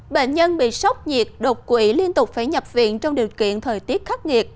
bệnh nhân bị sốc nhiệt đột quỷ liên tục phải nhập viện trong điều kiện thời tiết khắc nghiệt